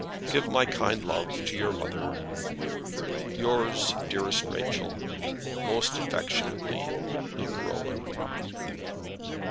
Give my kind love to your mother. Yours, dearest Rachel, Most affectionately, LUKE ROWAN.